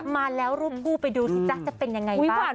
มาแล้วรูปคู่ไปดูสิจ๊ะจะเป็นยังไง